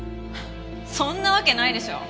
そんなわけないでしょ。